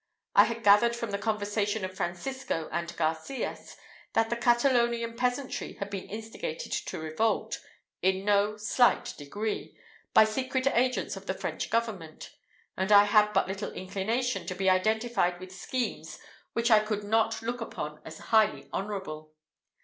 I had gathered from the conversation of Francisco and Garcias, that the Catalonian peasantry had been instigated to revolt, in no slight degree, by secret agents of the French government; and I had but little inclination to be identified with schemes which I could not look upon as highly honourable.